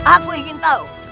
aku ingin tahu